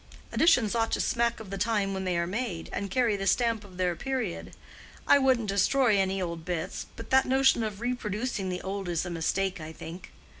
Additions ought to smack of the time when they are made and carry the stamp of their period. I wouldn't destroy any old bits, but that notion of reproducing the old is a mistake, I think.